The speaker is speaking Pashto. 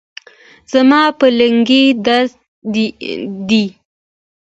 زما په لنګې درد دي